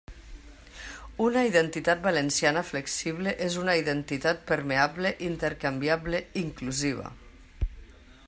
Una identitat valenciana flexible és una identitat permeable, intercanviable, inclusiva.